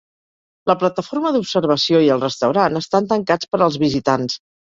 La plataforma d'observació i el restaurant estan tancats per als visitants.